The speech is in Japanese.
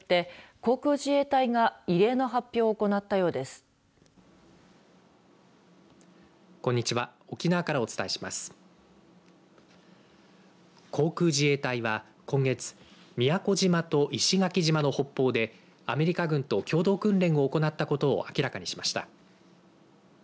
航空自衛隊は今月、宮古島と石垣島の北方でアメリカ軍と共同訓練を行ったことを明らかにしました。